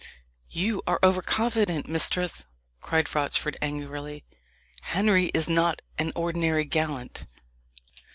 "You are over confident, mistress!" cried Rochford angrily. "Henry is not an ordinary gallant."